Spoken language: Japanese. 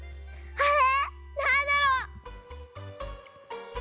あれ？